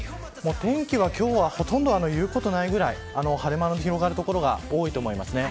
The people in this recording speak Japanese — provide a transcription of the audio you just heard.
天気は今日はほとんど言うことないぐらい晴れ間の広がる所が多いと思います。